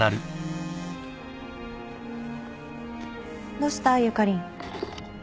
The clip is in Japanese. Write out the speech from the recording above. どした？ゆかりん。